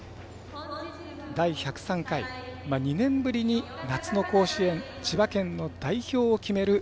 第１０３回、２年ぶりに夏の甲子園千葉県の代表を決める